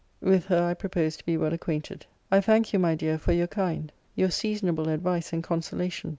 With her I propose to be well acquainted. I thank you, my dear, for your kind, your seasonable advice and consolation.